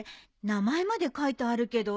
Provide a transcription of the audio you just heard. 名前まで書いてあるけど。